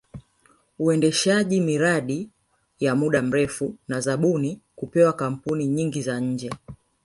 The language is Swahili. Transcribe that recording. Uendeshaji miradi ya muda mrefu na zabuni kupewa kampuni nyingi za nje